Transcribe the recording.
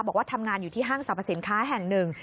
บอกว่าทำงานอยู่ที่ห้างสรรพสินค้าแห่งหนึ่ง